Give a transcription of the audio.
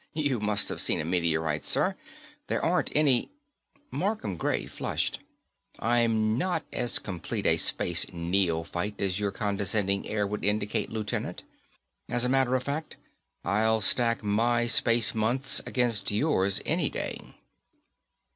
"You must have seen a meteorite, sir. There aren't any " Markham Gray flushed. "I'm not as complete a space neophyte as your condescending air would indicate, Lieutenant. As a matter of fact, I'll stack my space months against yours any day."